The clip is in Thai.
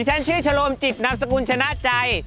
ดิฉันชื่อชโลมจิตนับสกุลชนะใจ